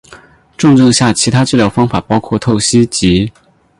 重症下其他治疗方法包含透析及。